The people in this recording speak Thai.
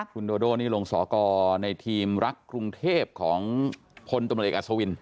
คุณโดโดนี่ลงสอกรในทีมรักกรุงเทพของพลตำรวจเอกอัศวิน